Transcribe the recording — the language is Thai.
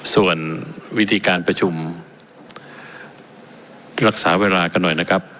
ส่วนวิธีการประชุมรักษาเวลากันหน่อยนะครับ